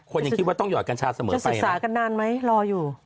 ยังคิดว่าต้องหอดกัญชาเสมอกันไปศึกษากันนานไหมรออยู่